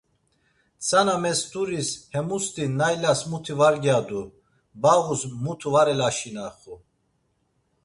Tzana mesturis hemusti naylas mutu var gyadu, bağus mutu var elaşinaxu.